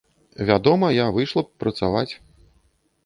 Вядома, я выйшла б працаваць.